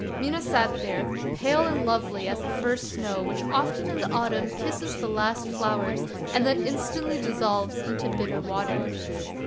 Mina sat there, pale and lovely as the first snow which often in the autumn kisses the last flowers and then instantly dissolves into bitter water.